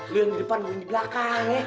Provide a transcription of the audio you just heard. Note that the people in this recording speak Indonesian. lo yang di depan lo yang di belakang ya